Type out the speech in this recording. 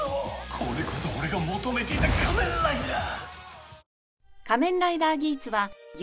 これこそ俺が求めていた仮面ライダー！